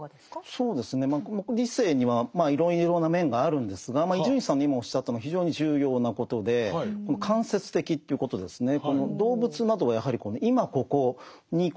そうですねまあ理性にはいろいろな面があるんですが伊集院さんの今おっしゃったのは非常に重要なことでこの間接的ということですね。